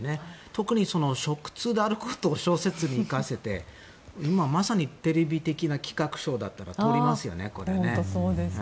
特に食通であることを小説に生かせて今、まさにテレビ的な企画書だと通りますよね。